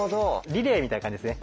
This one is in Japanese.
リレーみたいな感じですね。